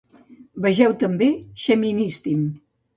Vegeu també: Xeministim.